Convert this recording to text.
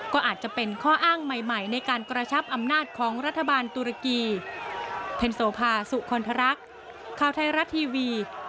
ก็อาจจะเป็นข้ออ้างใหม่ในการกระชับอำนาจของรัฐบาลตุรกี